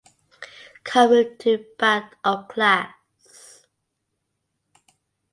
Car moved to back of class.